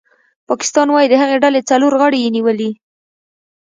پاکستان وايي د هغې ډلې څلور غړي یې نیولي